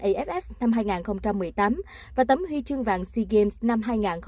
aff năm hai nghìn một mươi tám và tấm huy chương vàng sea games năm hai nghìn một mươi chín